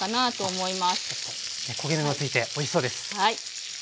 焦げ目がついておいしそうです。